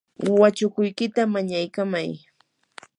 wachukuykita mañaykamay.